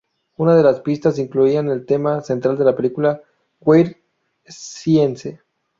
Una de las pistas incluían el tema central de la película "Weird Science".